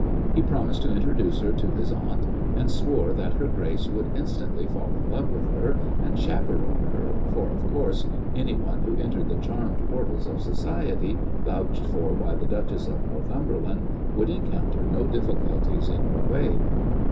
He promised to introduce her to his aunt, and swore that her Grace would instantly fall in love with her and chaperon her, for, of course, anyone who entered the charmed portals of society vouched for by the Duchess of Northumberland would encounter no difficulties in her way.